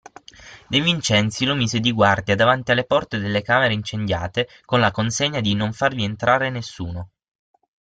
De Vincenzi lo mise di guardia davanti alle porte delle camere incendiate, con la consegna di non farvi entrare nessuno.